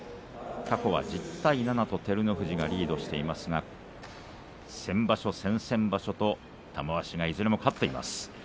過去は１０対７と照ノ富士がリードしていますが先場所、先々場所と玉鷲がいずれも勝っています。